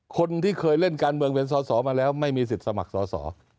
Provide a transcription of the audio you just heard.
คนที่เคยเล่นการเมืองเป็นสอสอมาแล้วไม่มีสิทธิ์สมัครสอสอ